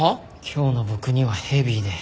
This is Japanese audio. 今日の僕にはヘビーで。